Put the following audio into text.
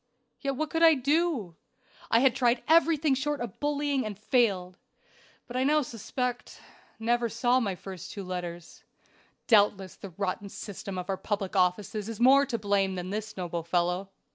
Yet what could I do? I had tried everything short of bullying and failed. But I now suspect never saw my two first letters. Doubtless the rotten system of our public offices is more to blame than this noble fellow."